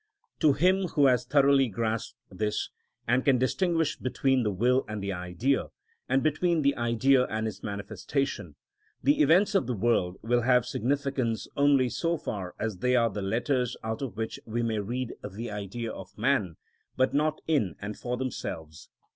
To him who has thoroughly grasped this, and can distinguish between the will and the Idea, and between the Idea and its manifestation, the events of the world will have significance only so far as they are the letters out of which we may read the Idea of man, but not in and for themselves.